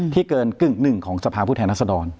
ที่เกิน๕๐ของสภาพูดแทนรัศดร